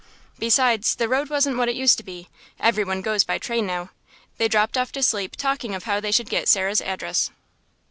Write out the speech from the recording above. Besides, the road wasn't what it used to be; every one goes by train now. They dropped off to sleep talking of how they should get Sarah's address.